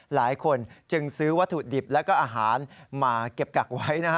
หลายคนจึงซื้อวัตถุดิบแล้วก็อาหารมาเก็บกักไว้นะฮะ